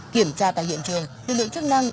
kiểm tra tại hiện trường lượng chức năng